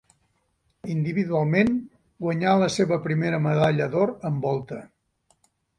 Individualment, guanyà la seva primera medalla d'or en volta.